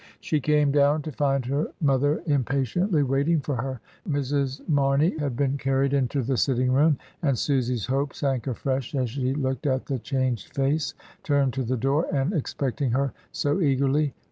... She came down to find her mother impatiently waiting for her. Mrs. Marney had been carried into the sitting room, and Susy's hope sank afresh as she looked at the changed face turned to the door, and expecting her so eagerly.